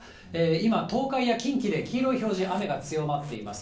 今、東海や近畿で黄色い表示、雨が強まっています。